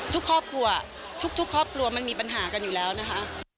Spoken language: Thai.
ทุกครอบครัวทุกครอบครัวมันมีปัญหากันอยู่แล้วนะคะ